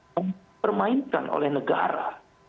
mempermainkan oleh negara